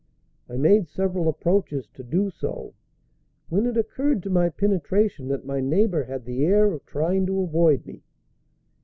I made several approaches to do so, when it occurred to my penetration that my neighbor had the air of trying to avoid me.